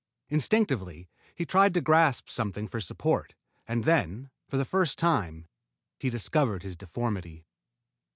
Instinctively he tried to grasp something for support, and then, for the first time, he discovered his deformity.